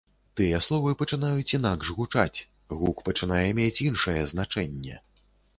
Тыя словы пачынаюць інакш гучаць, гук пачынае мець іншае значэнне.